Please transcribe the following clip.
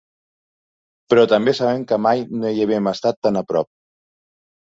Però també sabem que mai no hi havíem estat tan a prop.